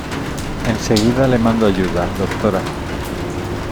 enseguida le mando ayuda, doctora.